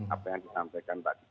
apa yang disampaikan tadi